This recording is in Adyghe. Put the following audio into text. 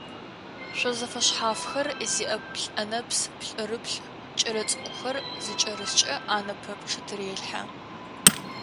Шъо зэфэшъхьафхэр зиӏэ плӏэнэбз плӏырыплӏ кӏэлэцӏыкӏухэр зыкӏэрысхэ ӏанэ пэпчъы тырелъхьэ.